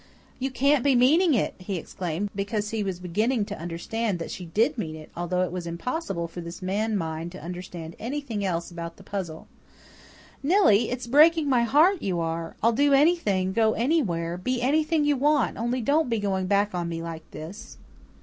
"You can't be meaning it!" he exclaimed, because he was beginning to understand that she did mean it, although it was impossible for his man mind to understand anything else about the puzzle. "Nillie, it's breaking my heart you are! I'll do anything go anywhere be anything you want only don't be going back on me like this."